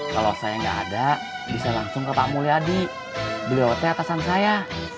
kalau saya gak ada bisa langsung ke pak mulyadi beliau teatasan saya